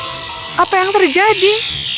ya apa yang terjadi